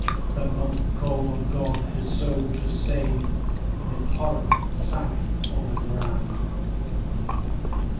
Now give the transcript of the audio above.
The Monk called on God his soul to save, And, in horror, sank on the ground.